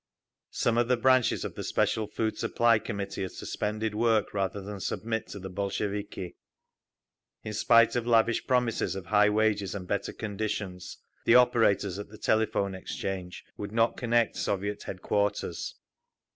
Some of the branches of the Special Food Supply Committee had suspended work rather than submit to the Bolsheviki…. In spite of lavish promises of high wages and better conditions, the operators at the Telephone Exchange would not connect Soviet headquarters….